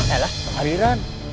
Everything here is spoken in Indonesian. hanya ada haliran